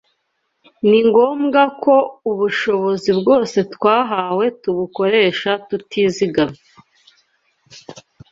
Ni ngombwa ko ubushobozi bwose twahawe tubukoresha tutizigamye